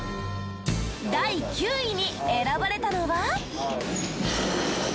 第９位に選ばれたのは。